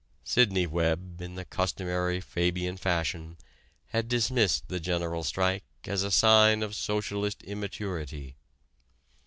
Sidney Webb, in the customary Fabian fashion, had dismissed the General Strike as a sign of socialist immaturity.